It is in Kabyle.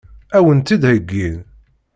Ad wen-tt-id-heggin?